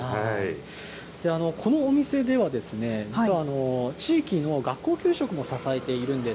このお店では、実は地域の学校給食も支えているんです。